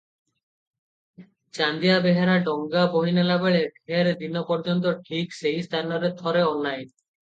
ଚାନ୍ଦିଆ ବେହେରା ଡଙ୍ଗା ବାହିନେଲାବେଳେ ଢେର୍ ଦିନପର୍ଯ୍ୟନ୍ତ ଠିକ୍ ସେହି ସ୍ଥାନରେ ଥରେ ଅନାଏ ।